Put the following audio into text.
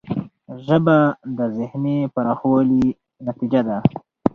ژبه د ذهنی پراخوالي نتیجه ده